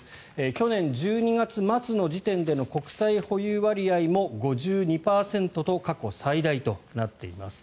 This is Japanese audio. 去年１２月末の時点での国債保有割合も５２％と過去最大となっています。